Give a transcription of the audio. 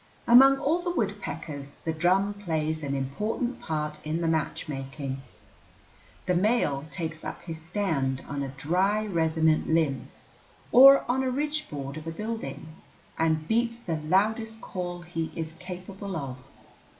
Among all the woodpeckers the drum plays an important part in the matchmaking. The male takes up his stand on a dry, resonant limb, or on the ridgeboard of a building, and beats the loudest call he is capable of.